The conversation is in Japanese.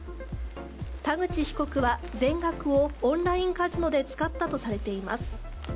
田口被告は、全額をオンラインカジノで使ったとされています。